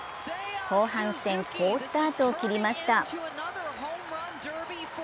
後半戦好スタートを切りました。